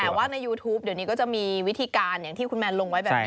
แต่ว่าในยูทูปเดี๋ยวนี้ก็จะมีวิธีการอย่างที่คุณแมนลงไว้แบบนี้